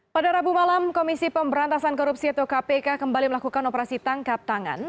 pada rabu malam komisi pemberantasan korupsi atau kpk kembali melakukan operasi tangkap tangan